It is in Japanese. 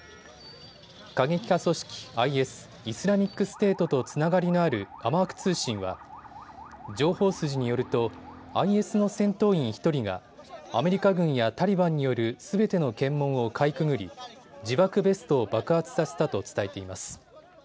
過激派組織ＩＳ・イスラミックステートとつながりのあるアマーク通信は情報筋によるとＩＳの戦闘員１人がアメリカ軍やタリバンによるすべての検問をかいくぐり自爆ベストを爆発させたと伝えています。